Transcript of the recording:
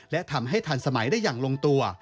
และทำให้ทันสมัยได้อย่างลงตัว